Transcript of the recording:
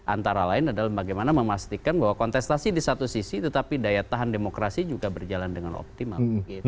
antara lain adalah bagaimana memastikan bahwa kontestasi di satu sisi tetapi daya tahan demokrasi juga berjalan dengan optimal